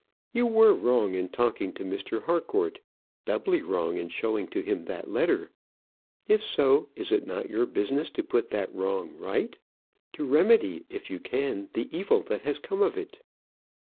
You were wrong in talking to Mr. Harcourt; doubly wrong in showing to him that letter. If so, is it not your business to put that wrong right? to remedy if you can the evil that has come of it?